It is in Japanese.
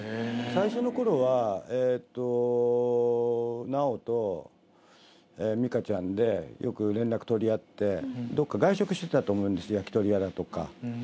最初の頃は尚と美嘉ちゃんでよく連絡取り合って外食してたと思うんです焼き鳥屋だとか。